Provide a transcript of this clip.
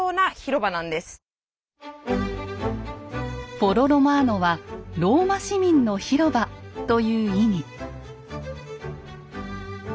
フォロ・ロマーノは「ローマ市民の広場」という意味。